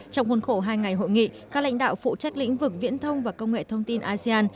trong khuôn khổ hai ngày hội nghị các lãnh đạo phụ trách lĩnh vực viễn thông và công nghệ thông tin asean